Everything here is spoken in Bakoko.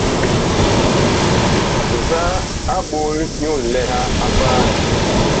Nzaa a ɓol nyu nlɛha a paan?